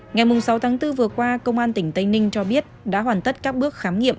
ngày sáu tháng bốn vừa qua công an tỉnh tây ninh cho biết đã hoàn tất các bước khám nghiệm